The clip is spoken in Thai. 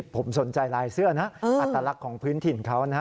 ผมสนใจลายเสื้อนะอัตลักษณ์ของพื้นถิ่นเขานะ